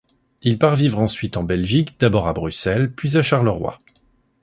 Il part vivre ensuite en Belgique, d'abord à Bruxelles puis à Charleroi.